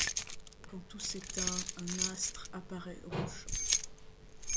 Quand tout s'éteint, un astre apparaît au couchant